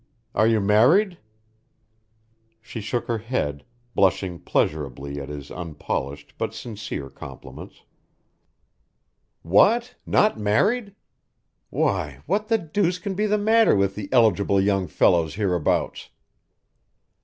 Are you married?" She shook her head, blushing pleasurably at his unpolished but sincere compliments. "What? Not married. Why, what the deuce can be the matter with the eligible young fellows hereabouts?"